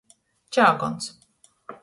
Čāguons.